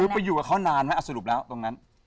คือไปอยู่กับเขานานไหมสรุปแล้วตรงนั้น